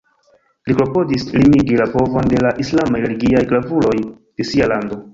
Li klopodis limigi la povon de la islamaj religiaj gravuloj de sia lando.